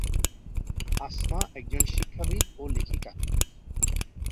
আসমা একজন শিক্ষাবিদ ও লেখিকা।